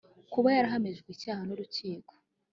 Kuba yarahamijwe icyaha n urukiko